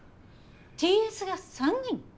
Ｔ・Ｓが３人？